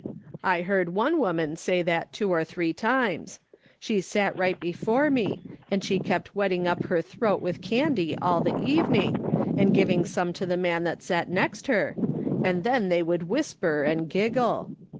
I heard one woman say that two or three times ; she sat right before me, and she kept wetting up her throat with candy all the eveninfj, and giving some to the man that sat next her, and then they would Avhisper and giggle.